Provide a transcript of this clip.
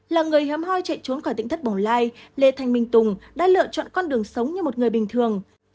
là người hiếm hoi chạy trốn khỏi tỉnh thất bồng lai lê thanh minh tùng đã lựa chọn con đường sống như một người bình thường